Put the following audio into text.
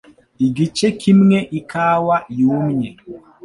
igice kimwe ikawa yumye